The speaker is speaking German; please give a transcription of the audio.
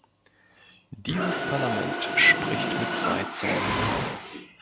Dieses Parlament spricht mit zwei Zungen!